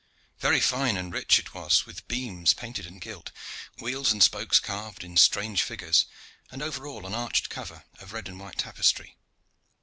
Very fine and rich it was, with beams painted and gilt, wheels and spokes carved in strange figures, and over all an arched cover of red and white tapestry.